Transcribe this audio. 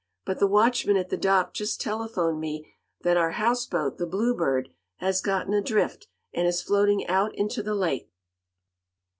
"But the watchman at the dock just telephoned me that our houseboat, the Bluebird, has gotten adrift, and is floating out into the lake."